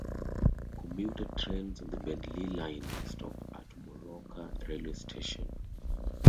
Commuter trains on the Beenleigh line stop at Moorooka railway station.